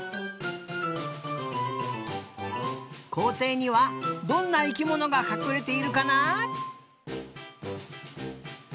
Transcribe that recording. こうていにはどんな生きものがかくれているかな？